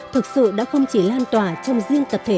thu thật sự đã không chỉ lan tỏa trong riêng tập thể